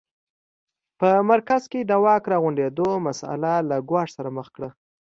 په مرکز کې د واک راغونډېدو مسٔله له ګواښ سره مخ کړه.